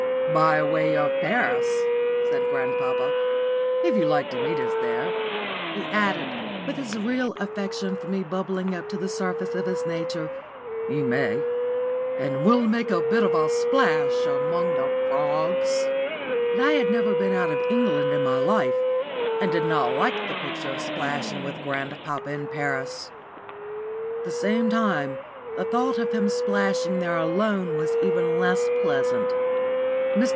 "By way of Paris," said grandpapa. "If you like to meet us there," he added, with his real affection for me bubbling up to the surface of his nature, "you may; and we'll make a bit of a splash among the frogs." But I had never been out of England in my life, and did not like the picture of splashing with grandpapa in Paris. At the same time the thought of him splashing there alone was even less pleasant. Mr.